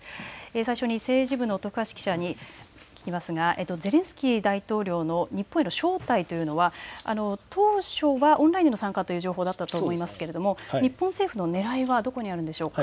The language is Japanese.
最初に政治部の徳橋記者に聞きますがゼレンスキー大統領の日本への招待というのは当初はオンラインの参加という情報だったと思いますけれども日本政府のねらいはどこにあるんでしょうか。